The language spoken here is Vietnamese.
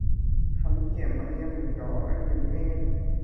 Hắn dèm anh em mình đó, anh đừng nghe!